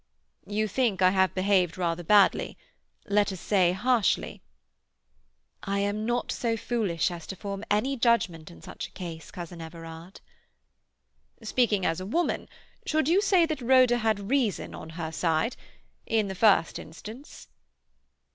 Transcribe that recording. "You think I have behaved rather badly—let us say, harshly?" "I am not so foolish as to form any judgment in such a case, cousin Everard." "Speaking as a woman, should you say that Rhoda had reason on her side—in the first instance?"